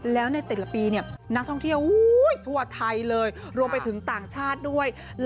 แล้วในแต่ละปีนักท่องเที่ยวทั่วไทยเลยรวมไปถึงต่างชาติด้วย